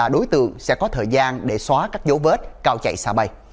đối tượng sẽ có thời gian để xóa các dấu vết cao chạy xa bay